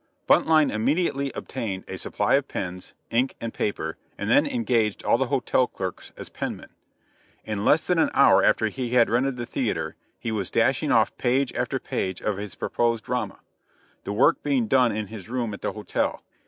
Buntline immediately obtained a supply of pens, ink and paper, and then engaged all the hotel clerks as penmen. In less than an hour after he had rented the theater, he was dashing off page after page of his proposed drama the work being done in his room at the hotel.